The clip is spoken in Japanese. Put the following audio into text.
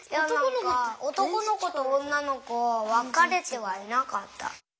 おとこのことおんなのこわかれてはいなかった。